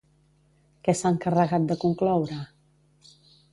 Què s'ha encarregat de concloure?